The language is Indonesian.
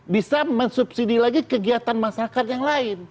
bisa mensubsidi lagi kegiatan masyarakat yang lain